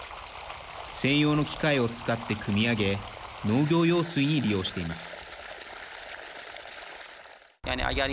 専用の機械を使ってくみ上げ農業用水に利用しています。